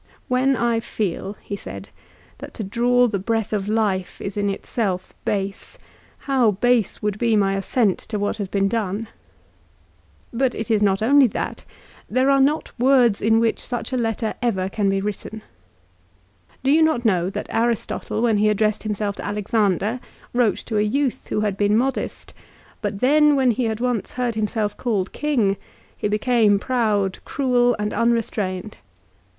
" When I feel," he said, " that to draw the breath of life is in itself base, how base would be my assent to what has been done." l " But it is not only that. There are not words in which such a letter ever can be written." " Do you not know that Aristotle when he addressed himself to Alexander wrote to a youth who had been modest ; but then, when he had once heard himself called king, he became proud, cruel, 1 Ad Att. lib. xiii. 28. MARCELLUS, LIGARIUS, AND DEIOTARUS. 193 and unrestrained